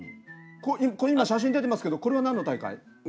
今写真出てますけどこれは何の大会？